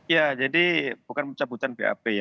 ya jadi bukan pencabutan bap ya